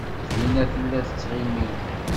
Zwina tella tettɣimi.